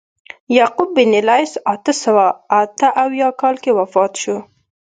یعقوب بن لیث په اته سوه اته اویا کال کې وفات شو.